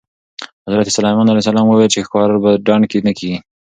حضرت سلیمان علیه السلام وویل چې ښکار په ډنډ کې نه کېږي.